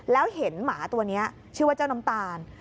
แล้วเห็นหมาตัวนี้ชื่อว่าเจ้าน้ำตาล